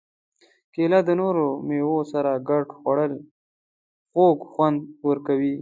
کېله د نورو مېوو سره ګډه خوړل خوږ خوند ورکوي.